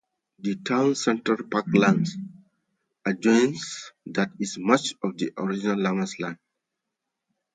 The town's central parkland adjoins that is much of the original Lammas land.